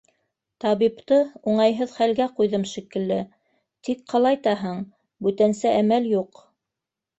Табипты уңайһыҙ хәлгә ҡуйҙым шикелле, тик ҡалайтаһың, бүтәнсә әмәл юҡ.